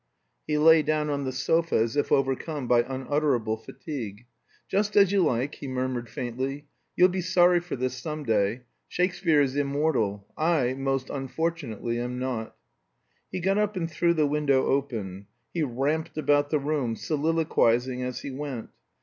He lay down on the sofa as if overcome by unutterable fatigue. "Just as you like," he murmured faintly. "You'll be sorry for this some day. Shakespeare is immortal. I, most unfortunately, am not." He got up and threw the window open. He ramped about the room, soliloquizing as he went.